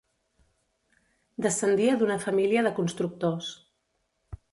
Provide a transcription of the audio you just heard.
Descendia d'una família de constructors.